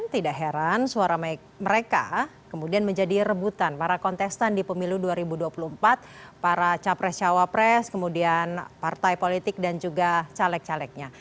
tidak heran suara mereka kemudian menjadi rebutan para kontestan di pemilu dua ribu dua puluh empat para capres cawapres kemudian partai politik dan juga caleg calegnya